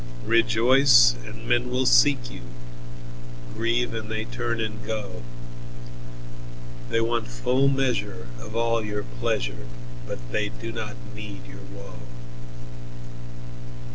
Rejoice, and men will seek you; Grieve, and they turn and go. They want full measure of all your pleasure, But they do not need your woe.